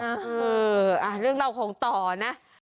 เออเรื่องราวของต่อนะ